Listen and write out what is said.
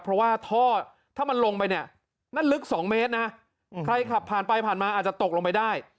เพราะว่าท่อถ้ามันลงไปเนี่ยนั่นลึก๒เมตรนะใครขับผ่านไปผ่านมาอาจจะตกลงไปได้